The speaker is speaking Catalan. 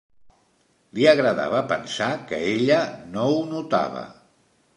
Li agradava pensar que ella no ho notava.